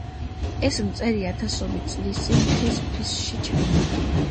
ეს მწერი ათასობით წლის წინ ხის ფისში ჩაიმარხა.